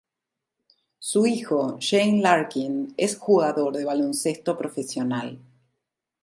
Su hijo Shane Larkin es jugador de baloncesto profesional.